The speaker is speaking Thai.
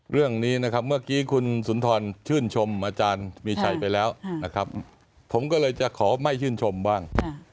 เรื่องนี้นะครับเมื่อกี้คุณสุนทรชื่นชมอาจารย์มีชัยไปแล้วนะครับผมก็เลยจะขอไม่ชื่นชมบ้าง